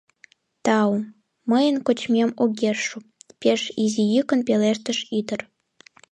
— Тау, мыйын кочмем огеш шу, — пеш изи йӱкын пелештыш ӱдыр.